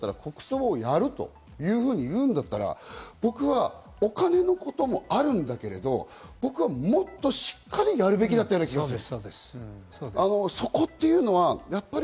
岸田総理が決めるんだったら国葬をやるというふうに言うんだったら僕はお金のことがあるんだけれども、僕はもっとしっかりやるべきだったような気がする。